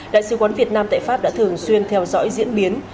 đại sứ quán việt nam tại pháp đã thường xuyên theo dõi diễn biến